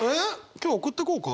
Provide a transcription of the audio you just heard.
今日送ってこうか？